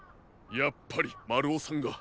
やっぱりまるおさんが。